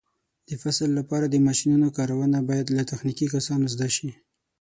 د فصل لپاره د ماشینونو کارونه باید له تخنیکي کسانو زده شي.